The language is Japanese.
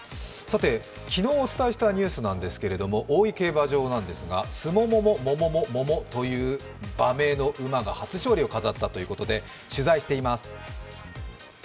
昨日お伝えしたニュースなんですけれども、大井競馬場なんですが大井競馬場なんですが、スモモモモモモモモという馬名の馬が初勝利を飾ったということで取材しています。